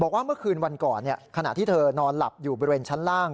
บอกว่าเมื่อคืนวันก่อนขณะที่เธอนอนหลับอยู่บริเวณชั้นล่าง